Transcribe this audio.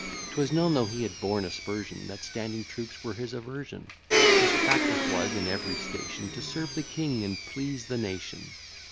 'Twas known, though he had borne aspersion, That standing troops were his aversion: His practice was, in every station: To serve the king, and please the nation.